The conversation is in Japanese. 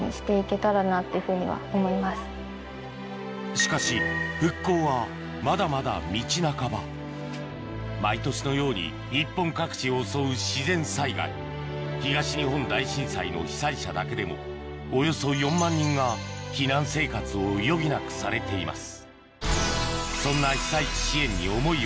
しかし毎年のように日本各地を襲う自然災害東日本大震災の被災者だけでもおよそ４万人が避難生活を余儀なくされています